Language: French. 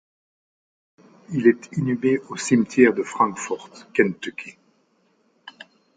Il est inhumé au cimetière de Frankfort, Kentucky.